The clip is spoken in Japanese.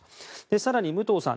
更に武藤さん